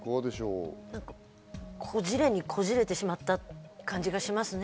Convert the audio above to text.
こじれにこじれてしまった感じがしますね。